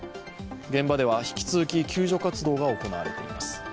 現場では引き続き救助活動が行われています。